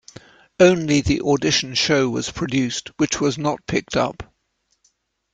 Only the audition show was produced which was not picked up.